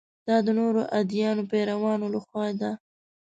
دا د نورو ادیانو پیروانو له خوا ده.